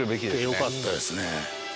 来てよかったですね。